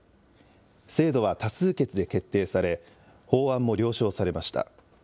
制度は多数決で決定され、法案も了承されました。